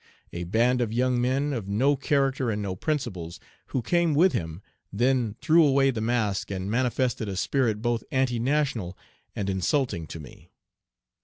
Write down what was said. A band of young men, of no character and no principles, who came with him, then threw away the mask, and manifested a spirit both anti national and insulting to me.